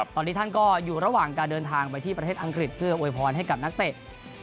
ตอนนี้ท่านก็อยู่ระหว่างการเดินทางไปที่ประเทศอังกฤษเพื่ออวยพรให้กับนักเตะ